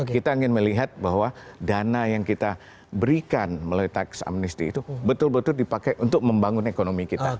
kita ingin melihat bahwa dana yang kita berikan melalui tax amnesty itu betul betul dipakai untuk membangun ekonomi kita